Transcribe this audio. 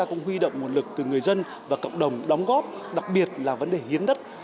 cũng huy động nguồn lực từ người dân và cộng đồng đóng góp đặc biệt là vấn đề hiến đất